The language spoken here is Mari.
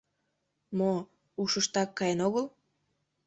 — Мо... ушыштак каен огыл?